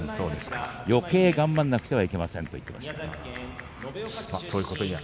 よけい頑張らなくてはいけませんと言っていました。